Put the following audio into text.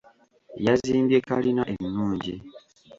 Yazimbye kkalina ennungi .